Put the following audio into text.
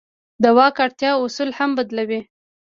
د واک اړتیا اصول هم بدلوي.